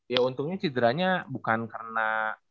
ya untungnya cederanya bukan karena